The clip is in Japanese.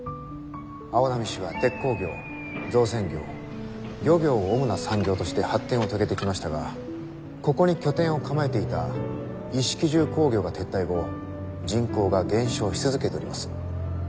青波市は鉄鋼業造船業漁業を主な産業として発展を遂げてきましたがここに拠点を構えていた一色重工業が撤退後人口が減少し続けております。